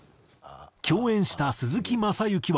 共演した鈴木雅之は。